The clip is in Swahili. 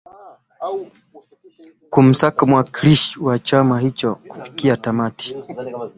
kumsaka mwakilishi wa chama hicho kufikia tamati